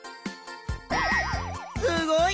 すごい！